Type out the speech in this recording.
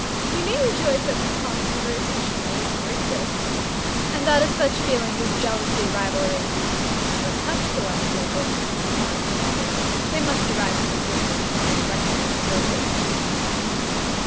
We may rejoice that these causes of irritation no longer exist; and that if such feelings as jealousy, rivalry, and discontent ever touch celestial bosoms in the modern ball room they must arise from different and more recondite sources.